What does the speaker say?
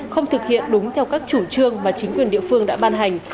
không thực hiện đúng theo các chủ trương mà chính quyền địa phương đã ban hành